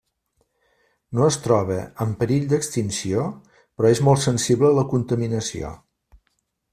No es troba en perill d'extinció però és molt sensible a la contaminació.